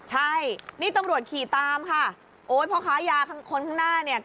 ใช่นี่ตำรวจขี่ตามค่ะโอ้ยพ่อค้ายาคนข้างหน้าเนี่ย